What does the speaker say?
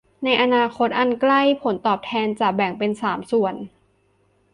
ในอนาคตอันใกล้ ผลตอบแทนจะแบ่งเป็นสามส่วน